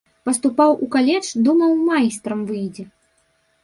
Паступаў у каледж, думаў майстрам выйдзе.